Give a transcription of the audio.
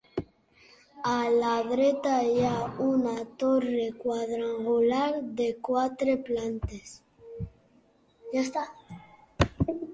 A la dreta hi ha una torre quadrangular de quatre plantes.